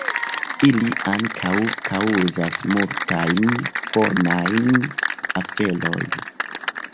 Ili ankaŭ kaŭzas multajn bonajn aferojn.